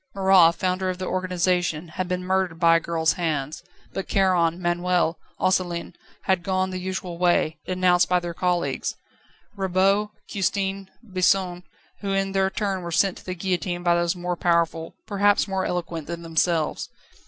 Marat, founder of the organisation, had been murdered by a girl's hand; but Charon, Manuel, Osselin had gone the usual way, denounced by their colleagues, Rabaut, Custine, Bison, who in their turn were sent to the guillotine by those more powerful, perhaps more eloquent, than themselves.